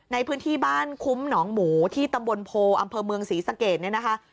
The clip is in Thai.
ในพื้นที่บ้านคุ้มหนองหมูที่ตำบลโพอำเภอเมืองศรีสะเกดเนี่ยนะคะ